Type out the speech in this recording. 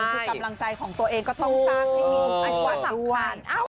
การกำลังใจของตัวเองก็ต้องสร้างให้มีอันความสำคัญ